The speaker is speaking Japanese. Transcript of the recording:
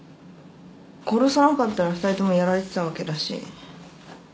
殺さなかったら２人ともやられてたわけだし。